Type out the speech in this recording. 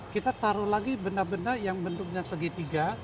kita taruh lagi benda benda yang bentuknya segitiga